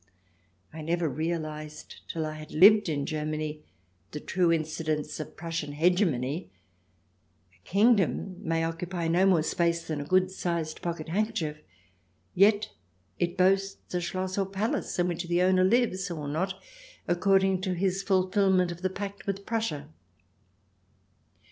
I never realized till I had lived in Germany the true incidence of the Prussian hegemony. A kingdom may occupy no more space than a good sized pocket handkerchief; yet it boasts a Schloss or palace in which the owner lives or not according to his fulfilment of the pact with Prussia.